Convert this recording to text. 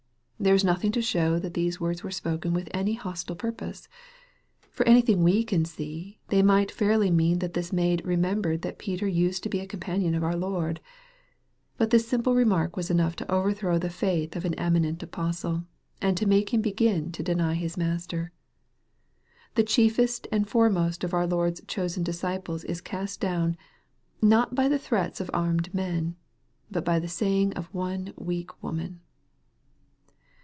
There is nothing to show that these words were spoken with any hostile purpose. For anything we can see, they might fairly mean that this maid remembered that Peter used to be a companion of our Lord. But this simple remark was enough to overthrow the faith of an eminent apostle, and to make him begin to deny his Master. The chiefest and foremost of our Lord's chosen disciples is cast down, not by the threats of armed men, but by the saying of one weak woman